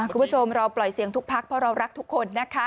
คุณผู้ชมเราปล่อยเสียงทุกพักเพราะเรารักทุกคนนะคะ